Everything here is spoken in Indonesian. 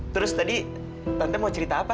terus tadi tante mau cerita apa